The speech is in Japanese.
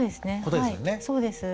そうですね。